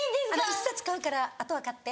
１冊買うからあとは買って。